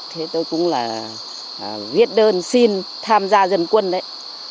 thế tôi cũng là viết đơn xin tham gia dân quân đấy